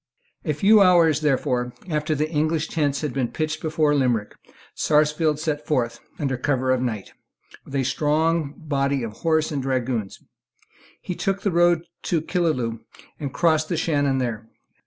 A few hours, therefore, after the English tents had been pitched before Limerick, Sarsfield set forth, under cover of the night, with a strong body of horse and dragoons. He took the road to Killaloe, and crossed the Shannon there.